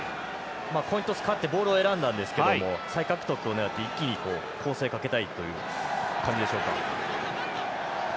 コイントス勝ってボールを選んだんですが一気に攻勢をかけたいという感じでしょうか。